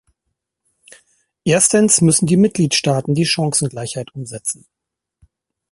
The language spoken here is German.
Erstens müssen die Mitgliedstaaten die Chancengleichheit umsetzen.